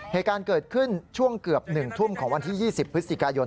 เหตุการณ์เกิดขึ้นช่วงเกือบ๑ทุ่มของวันที่๒๐พฤศจิกายน